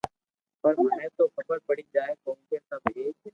پر مني تو خبر پڙي جائين ڪونڪھ سب ايڪ